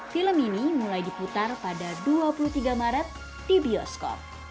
film ini mulai diputar pada dua puluh tiga maret di bioskop